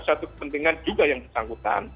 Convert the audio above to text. satu kepentingan juga yang bersangkutan